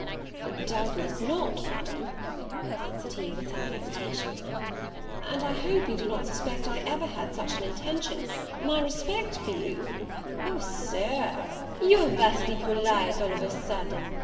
"Doubtless not, Madam," answered he with some hesitation; "and I hope you do not suspect I ever had such an intention; my respect for you " "O, Sir, you're vastly polite all of a sudden!